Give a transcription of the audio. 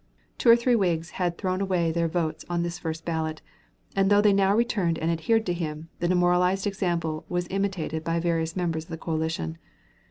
Two or three Whigs had thrown away their votes on this first ballot, and though they now returned and adhered to him, the demoralizing example was imitated by various members of the coalition.